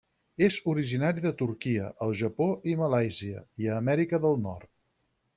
És originari de Turquia al Japó i Malàisia i a Amèrica del Nord.